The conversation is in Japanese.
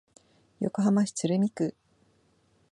横浜市鶴見区